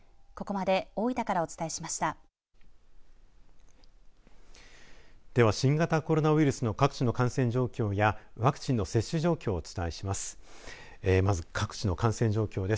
では新型コロナウイルスの各地の感染状況やワクチンの接種状況をお伝えします。